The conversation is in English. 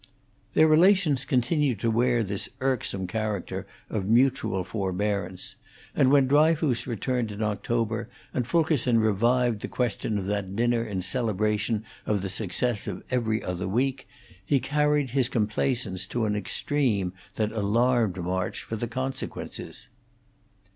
Their relations continued to wear this irksome character of mutual forbearance; and when Dryfoos returned in October and Fulkerson revived the question of that dinner in celebration of the success of 'Every Other Week,' he carried his complaisance to an extreme that alarmed March for the consequences.